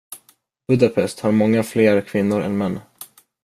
Budapest har många fler kvinnor än män.